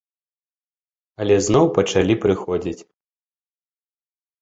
Але зноў пачалі прыходзіць.